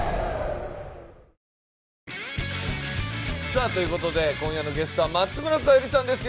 さあという事で今夜のゲストは松村沙友理さんです。